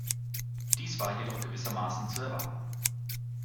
Dies war jedoch gewissermaßen zu erwarten.